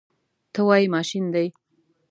ته وایې ماشین دی.